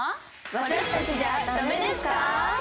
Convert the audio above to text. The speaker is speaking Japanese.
「私たちじゃダメですか？」。